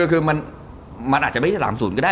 คือมันอาจจะไม่ได้จาก๓ศูนย์ก็ได้